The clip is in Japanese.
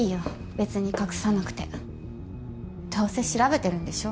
別に隠さなくてどうせ調べてるんでしょ